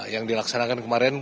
yang dilaksanakan kemarin